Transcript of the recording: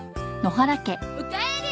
おかえり！